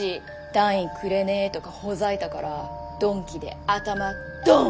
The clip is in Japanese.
単位くれねえとかほざいたから鈍器で頭ドーン！